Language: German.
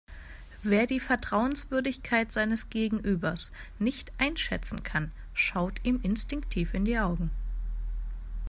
Wer die Vertrauenswürdigkeit seines Gegenübers nicht einschätzen kann, schaut ihm instinktiv in die Augen.